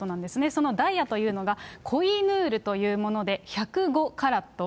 そのダイヤというのが、コ・イ・ヌールというもので１０５カラット。